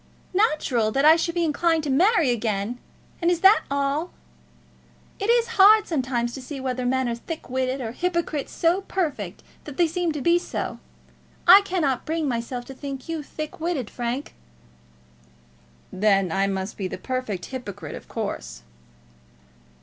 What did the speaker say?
"Natural that I should be inclined to marry again! And is that all? It is hard sometimes to see whether men are thick witted, or hypocrites so perfect that they seem to be so. I cannot bring myself to think you thick witted, Frank." "Then I must be the perfect hypocrite, of course."